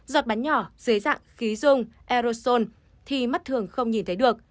giọt bắn nhỏ dưới dạng khí dung aerosol thì mắt thường không nhìn thấy được